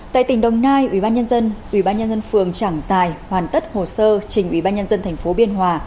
tại tỉnh đồng nai ủy ban nhân dân ủy ban nhân dân phường trảng giài hoàn tất hồ sơ trình ủy ban nhân dân tp biên hòa